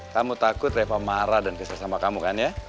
kamu takut reva marah dan kisah sama kamu kan ya